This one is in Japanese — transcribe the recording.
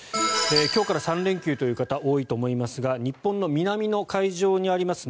今日から３連休という方多いと思いますが日本の南の海上にあります